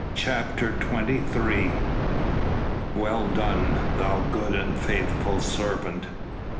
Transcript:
CHAPTER XXIII "Well done, thou good and faithful servant."